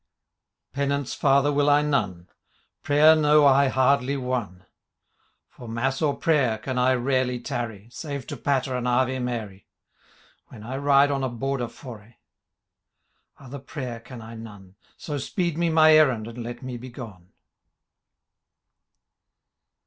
•• Penance, father, will J none ; Prayer know I hardly one ; For mafls or prayer can I rarely tarry, Saye to patter an Ave Mary, When I ride on a Border foray.* Other prayer can I none ; So speed me my errand, and let me be gone.